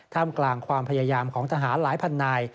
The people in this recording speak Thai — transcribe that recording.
กลางความพยายามของทหารหลายพันนาย